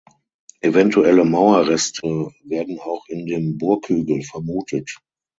Eventuelle Mauerreste werden auch in dem Burghügel vermutet.